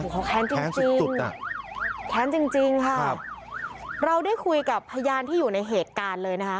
เขาแค้นจริงแค้นจริงจริงค่ะเราได้คุยกับพยานที่อยู่ในเหตุการณ์เลยนะคะ